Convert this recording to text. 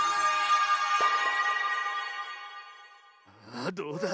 あどうだ？